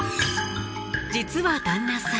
実は旦那さん